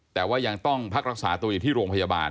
แต่ว่ายังต้องพักรักษาตัวอยู่ที่โรงพยาบาล